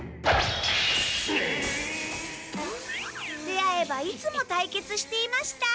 出会えばいつも対決していました。